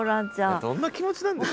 どんな気持ちなんですか？